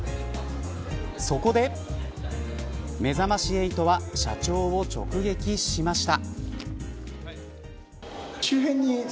そこでめざまし８は社長を直撃しました。